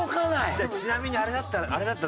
ちなみにあれだったらあれだったら？